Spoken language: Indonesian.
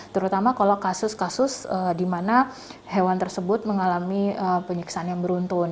terutama kalau kasus kasus di mana hewan tersebut mengalami penyiksaan yang beruntun